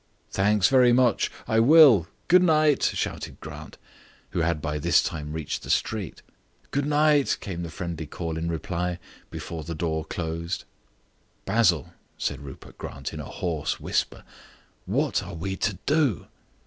"Thanks very much, I will good night," shouted Grant, who had by this time reached the street. "Good night," came the friendly call in reply, before the door closed. "Basil," said Rupert Grant, in a hoarse whisper, "what are we to do?"